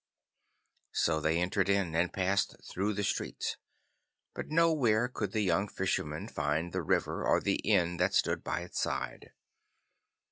So they entered in and passed through the streets, but nowhere could the young Fisherman find the river or the inn that stood by its side.